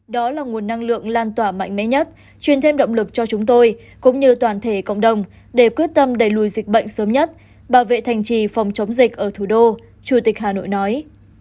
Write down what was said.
đó là nguồn năng lượng lan tỏa mạnh mẽ nhất truyền thêm động lực cho chúng tôi cũng như toàn thể cộng đồng để quyết tâm đẩy lùi dịch bệnh sớm nhất bảo vệ thành trì phòng chống dịch ở thủ đô chủ tịch hà nội nói